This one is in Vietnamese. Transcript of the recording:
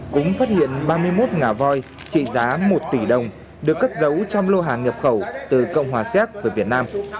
cũng phát hiện ba mươi một ngà voi trị giá một tỷ đồng được cất giấu trong lô hàng nhập khẩu từ cộng hòa xéc về việt nam